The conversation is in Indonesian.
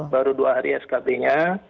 baru dua hari skb nya